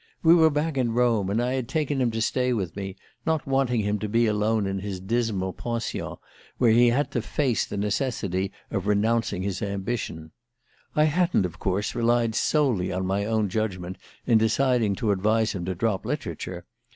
We were back in Rome, and I had taken him to stay with me, not wanting him to be alone in his dismal pension when he had to face the necessity of renouncing his ambition. I hadn't, of course, relied solely on my own judgment in deciding to advise him to drop literature.